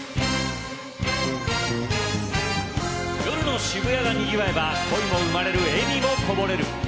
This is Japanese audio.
夜の渋谷がにぎわえば恋も生まれる笑みもこぼれる。